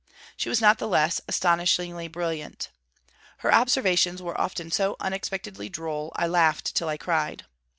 She was not the less 'astonishingly brilliant.' Her observations were often 'so unexpectedly droll I laughed till I cried.'